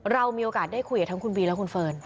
เรามีโอกาสได้คุยกับทั้งคุณบีและคุณเฟิร์น